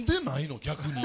逆に。